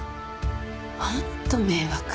本当迷惑。